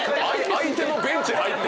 相手のベンチ入って。